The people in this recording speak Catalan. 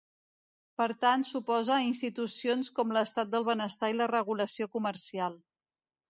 Per tant s'oposa a institucions com l'estat del benestar i la regulació comercial.